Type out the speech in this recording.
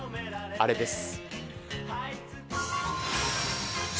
あれです。